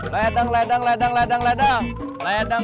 ledang ledang ledang ledang ledang